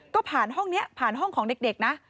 ก็ผ่านห้องนี้ผ่านห้องของเด็กนะ